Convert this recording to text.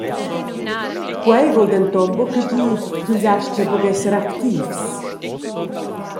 Quei vul denton buca gir ch’ins astga buc esser activs.